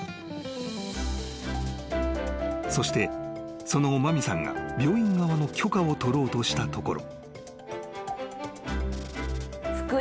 ［そしてその後麻美さんが病院側の許可を取ろうとしたところ］